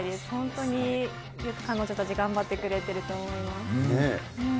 本当に彼女たち頑張ってくれてると思います。